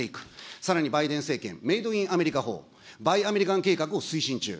さらにバイデン政権、メイド・イン・アメリカ法、バイ・アメリカン計画を推進中。